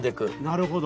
なるほど。